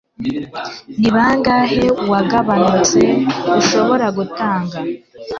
Ni bangahe wagabanutse ushobora gutanga?